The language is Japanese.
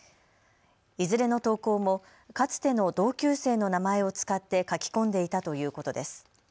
いずれの投稿もかつての同級生の名前を使って書き込んでいたということです。